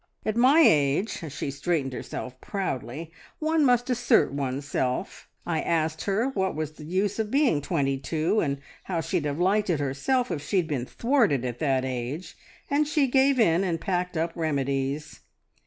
At my age," she straightened herself proudly, "one must assert oneself! I asked her what was the use of being twenty two, and how she'd have liked it herself if she'd been thwarted at that age, and she gave in and packed up remedies."